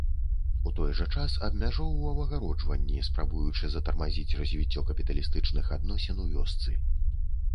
У той жа час абмяжоўваў агароджванні, спрабуючы затармазіць развіццё капіталістычных адносін у вёсцы.